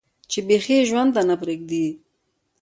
چې بيخي ئې ژوند ته نۀ پرېږدي